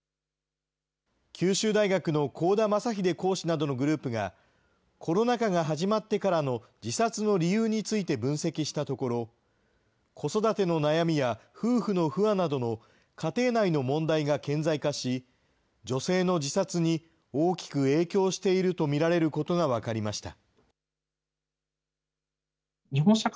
九州大学の香田将英講師などのグループが、コロナ禍が始まってからの自殺の理由について分析したところ、子育ての悩みや、夫婦の不和などの家庭内の問題が顕在化し、女性の自殺に大きく影響していると見られることが分かりました。